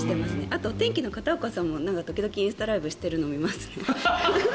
あとは天気の片岡さんも時々、インスタライブしてるのを見ますね。